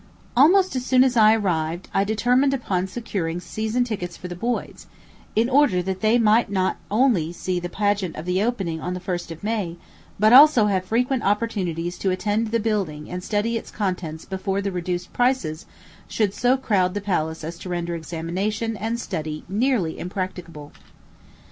Almost as soon as I arrived, I determined upon securing season tickets for the boys, in order that they might not only see the pageant of the opening on the 1st of May, but also have frequent opportunities to attend the building and study its contents before the reduced prices should so crowd the palace as to render examination and study nearly impracticable.